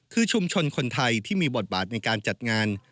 คือชุมชนคนไทยที่มีบทบาทในการจัดงาน